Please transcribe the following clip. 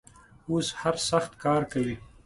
اوس هر سخت کار کوي.